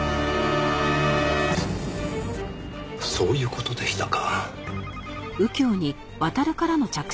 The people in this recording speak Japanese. そういう事でしたか。